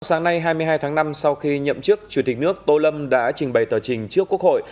sáng nay hai mươi hai tháng năm sau khi nhậm chức chủ tịch nước tô lâm đã trình bày tờ trình trước quốc hội